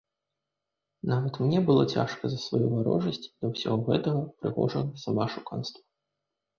Нават мне было цяжка за сваю варожасць да ўсяго гэтага прыгожага самаашуканства.